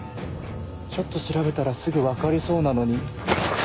ちょっと調べたらすぐ分かりそうなのに。